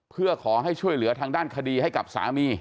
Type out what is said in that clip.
เพื่อขอให้ช่วยเหลือทางด้านคดีให้กับสามี